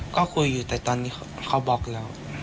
ก็คุยอยู่แต่ตอนนี้เขาบล็อกแล้ว